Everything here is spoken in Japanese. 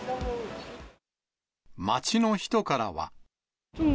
街の人からは。